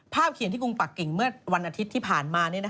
เขียนที่กรุงปักกิ่งเมื่อวันอาทิตย์ที่ผ่านมา